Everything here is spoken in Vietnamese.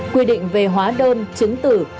quy định về hóa đơn chứng tử